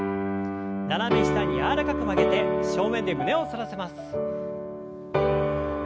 斜め下に柔らかく曲げて正面で胸を反らせます。